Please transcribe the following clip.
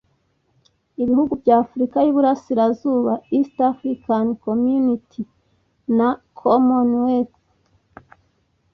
ibihugu by'afurika y'iburasirazuba (eac easter african community) na commonwealth